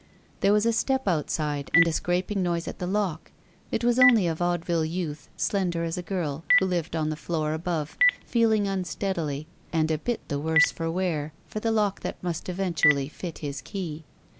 There was a step outside and a scraping noise at the lock. It was only a vaudeville youth, slender as a girl, who lived on the floor above, feeling un steadily, and a bit the worse for wear, for the lock that must eventually fit his key.